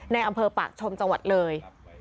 ในอำเภอปากชมจังหวัดเลย